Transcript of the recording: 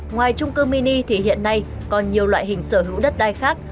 ngoài trung cư mini thì hiện nay còn nhiều loại hình sở hữu đất đai khác